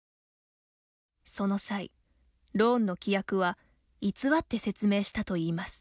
その際、ローンの規約は偽って説明したといいます。